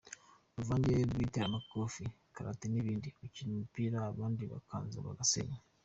Uruvange rw’iteramakofi, karate n’ibindi, ukina umupira abandi bakaza bagasenya.